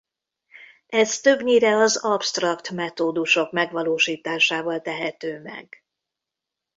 Ez többnyire az absztrakt metódusok megvalósításával tehető meg.